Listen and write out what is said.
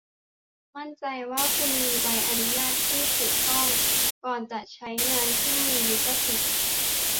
มั่นใจว่าคุณมีใบอนุญาตที่ถูกต้องก่อนการใช้งานที่มีลิขสิทธิ์